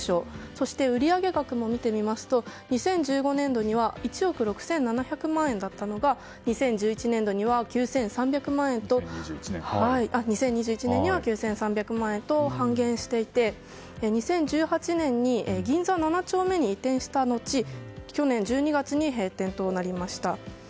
そして売上額も見てみますと２０１５年度には１億６７００万円だったのが２０２１年度には９３００万円と半減していて２０１８年に銀座７丁目に移転した後去年１２月に閉店となりました。